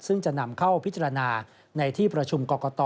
ซึ่งจะนำเข้าพิจารณาในที่ประชุมกรกต